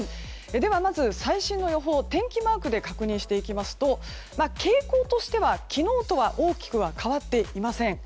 まず、最新の予想を天気マークで確認していきますと傾向としては昨日とは大きく変わっていません。